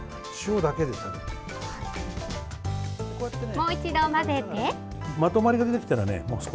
もう一度混ぜて。